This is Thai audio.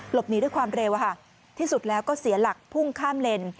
หนีด้วยความเร็วที่สุดแล้วก็เสียหลักพุ่งข้ามเลน